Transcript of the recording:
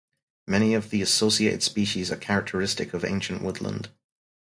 Many of the associated species are characteristic of ancient woodland.